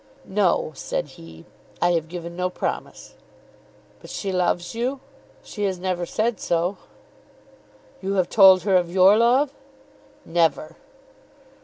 "No," said he. "I have given no promise." "But she loves you?" "She has never said so." "You have told her of your love?" "Never."